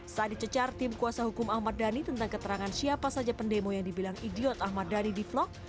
saat dicecar tim kuasa hukum ahmad dhani tentang keterangan siapa saja pendemo yang dibilang idiot ahmad dhani di vlog